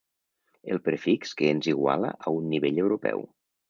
El prefix que ens iguala a un nivell europeu.